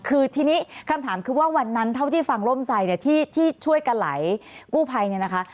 คือทีนี้คำถามคือว่าวันนั้นเท่าที่ฟังร่มใส่เนี่ยที่ช่วยกันไหลกู้ภัยเนี่ยนะคะ